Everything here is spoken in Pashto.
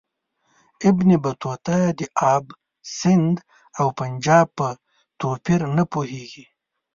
ابن بطوطه د آب سند او پنجاب په توپیر نه پوهیږي.